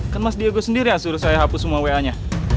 kan mas diego sendiri yang suruh saya hapus semua wa nya